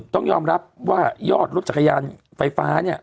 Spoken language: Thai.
ต้องยอมรับว่ายอดรถจักรยานไฟฟ้าเนี่ย